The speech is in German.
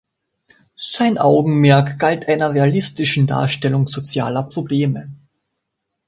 Sein Augenmerk galt einer realistischen Darstellung sozialer Probleme.